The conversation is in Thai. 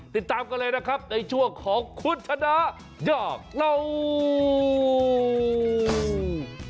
ติดตามกันเลยนะครับในชั่วของคุณธนาย่อหลัง